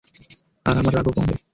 আর আমার রাগও কমবে।